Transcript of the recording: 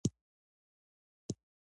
ښځې له وجه د نړۍ ښايست دی